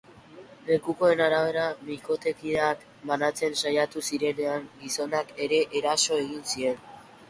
Lekukoen arabera, bikotekideak banatzen saiatu zirenean, gizonak ere eraso egin zien.